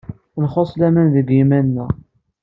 Nxuṣṣ laman deg yiman-nneɣ.